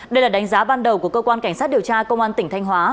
đây là đánh giá ban đầu của cơ quan cảnh sát điều tra công an tỉnh thanh hóa